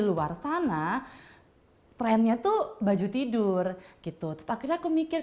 luar sana trennya tuh baju tidur gitu tak kita kemungkinan